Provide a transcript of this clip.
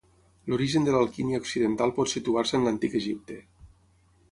L'origen de l'alquímia occidental pot situar-se en l'antic Egipte.